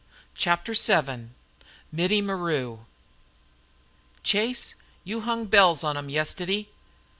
CHAPTER VII MITTIE MARU "Chase, you hung bells on 'em yes tiddy."